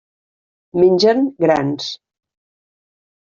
Mengen grans.